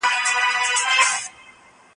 صنعت به نور هم پراخ سي.